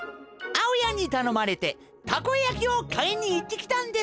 あおやんにたのまれてたこやきをかいにいってきたんですよ。